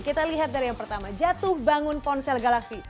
kita lihat dari yang pertama jatuh bangun ponsel galaksi